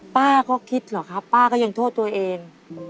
ป้าก็คิดเหรอครับป้าก็ยังโทษตัวเอง